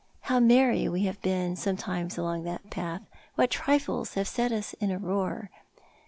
How merry we Lave been sometimes along that path ; what trifles have set us in a roar!